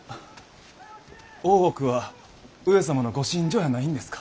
大奥は上様のご寝所やないんですか。